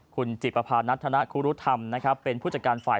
คุณจิปราภาณัทธนครุฑธรรมเป็นผู้จัดการฝ่าย